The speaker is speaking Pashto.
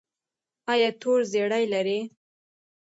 ایا تور زیړی لرئ؟